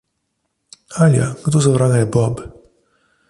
Alja, kdo za vraga je Bob?